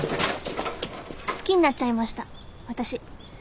好きになっちゃいました私。